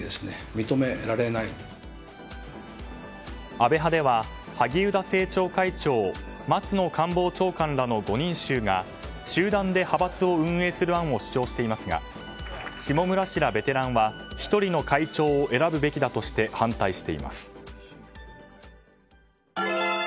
安倍派では、萩生田政調会長松野官房長官らの５人衆が集団で派閥を運営する案を主張していますが下村氏らベテランは１人の会長を選ぶべきだとして反対しています。